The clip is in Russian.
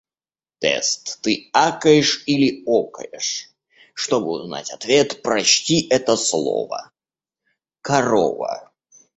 Тест: «Ты акаешь или окаешь?». Чтобы узнать ответ, прочти это слово: корова.